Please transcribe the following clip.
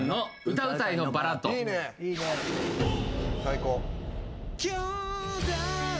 最高。